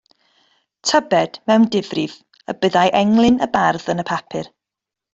Tybed mewn difrif y byddai englyn y bardd yn y papur.